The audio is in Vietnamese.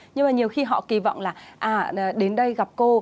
nhưng mà nhiều khi họ kỳ vọng là đến đây gặp cô